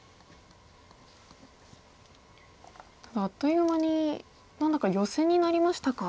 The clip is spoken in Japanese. ただあっという間に何だかヨセになりましたか。